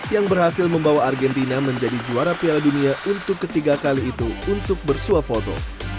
yang berhasil membawa argentina menjadi juara piala dunia untuk ketiga kali itu untuk bersuap foto